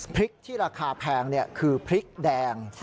พริกที่ราคาแพงคือพริกแดง